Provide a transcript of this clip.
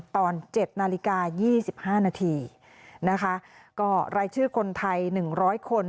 ตอน๗นาฬิกา๒๕นาทีนะคะก็รายชื่อคนไทย๑๐๐คน